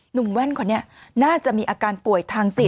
หนุ่มแว่นคนนี่น่าจะมีอาการป่วยทางติด